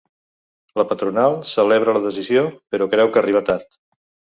La patronal celebra la decisió, però creu que arriba tard.